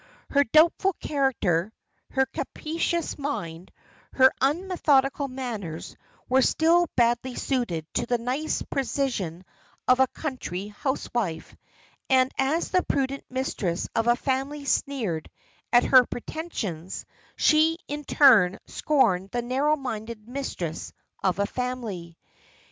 Her doubtful character, her capacious mind, her unmethodical manners, were still badly suited to the nice precision of a country housewife; and as the prudent mistress of a family sneered at her pretensions, she, in her turn, scorned the narrow minded mistress of a family.